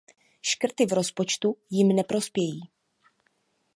Škrty v rozpočtu jim neprospějí.